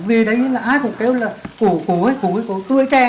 về đấy là ai cũng kêu là cổ cổ cổ cổ tuổi trẻ